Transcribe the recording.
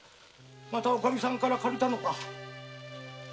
またおカミさんから借りたのか？